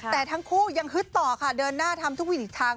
แต่ทั้งคู่ยังฮึดต่อค่ะเดินหน้าทำทุกวิถีทาง